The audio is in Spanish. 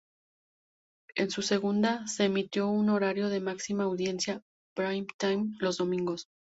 En su segunda, se emitió en horario de máxima audiencia "prime time" los domingos.